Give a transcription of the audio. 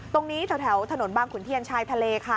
ตรงนี้แถวถนนบางขุนเทียนชายทะเลค่ะ